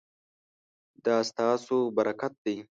دا ستاسو برکت دی